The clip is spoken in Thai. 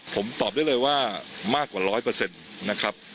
ผมตอบได้เลยว่ามากกว่าร้อยเปอร์เซ็นต์นะครับ